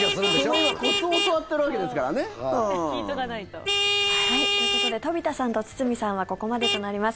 そういうコツを教わってるわけですからね。ということで飛田さんと堤さんはここまでとなります。